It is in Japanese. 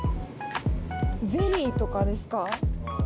ゼリーとかですか？